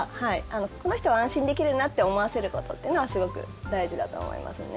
この人は安心できるなって思わせることっていうのはすごく大事だと思いますね。